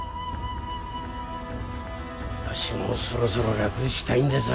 あっしもそろそろ楽したいんでさ。